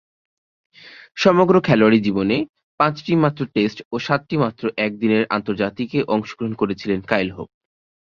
সমগ্র খেলোয়াড়ী জীবনে পাঁচটিমাত্র টেস্ট ও সাতটিমাত্র একদিনের আন্তর্জাতিকে অংশগ্রহণ করেছেন কাইল হোপ।